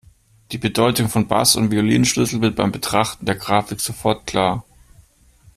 Die Bedeutung von Bass- und Violinschlüssel wird beim Betrachten der Grafik sofort klar.